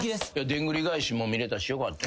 でんぐり返しも見られたしよかった。